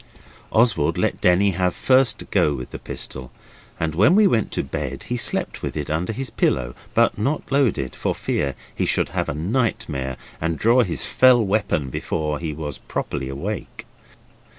Oswald let Denny have first go with the pistol, and when we went to bed he slept with it under his pillow, but not loaded, for fear he should have a nightmare and draw his fell weapon before he was properly awake.